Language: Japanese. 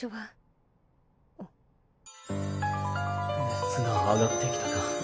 熱が上がってきたか。